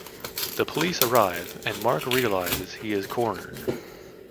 The police arrive and Mark realises he is cornered.